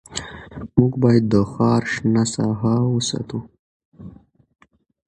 موږ باید د ښار شنه ساحې وساتو